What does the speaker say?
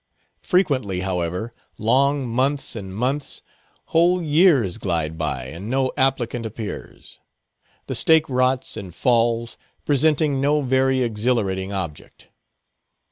Frequently, however, long months and months, whole years glide by and no applicant appears. The stake rots and falls, presenting no very exhilarating object.